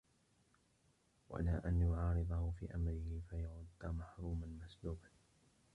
وَلَا أَنْ يُعَارِضَهُ فِي أَمْرِهِ فَيُرَدُّ مَحْرُومًا مَسْلُوبًا